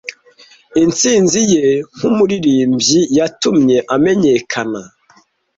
Intsinzi ye nkumuririmbyi yatumye amenyekana.